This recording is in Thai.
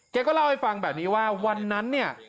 แกก็เล่าให้ฟังแบบนี้ว่าวันนั้นเนี่ย